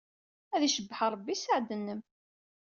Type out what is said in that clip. Ad icebbeḥ Ṛebbi sseɛd-nnem.